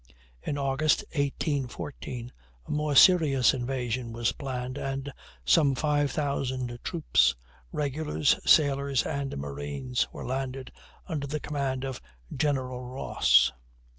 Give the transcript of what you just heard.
In August, 1814, a more serious invasion was planned, and some 5,000 troops regulars, sailors, and marines were landed, under the command of General Ross.